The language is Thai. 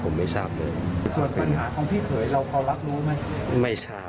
ผมไม่ทราบเลยส่วนปัญหาของพี่เขยเราพอรับรู้ไหมไม่ทราบ